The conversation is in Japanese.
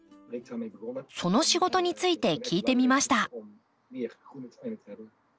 その仕事について聞いてみました。